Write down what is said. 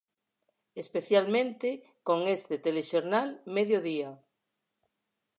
Especialmente con este Telexornal Mediodía.